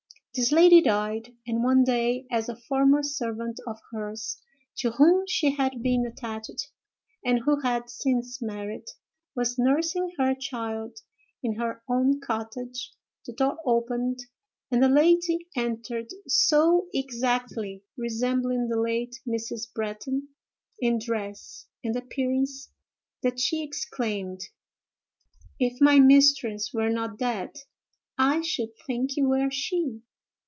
This lady died; and one day, as a former servant of hers—to whom she had been attached, and who had since married—was nursing her child in her own cottage, the door opened, and a lady entered so exactly resembling the late Mrs. Bretton in dress and appearance, that she exclaimed: "If my mistress were not dead, I should think you were she!"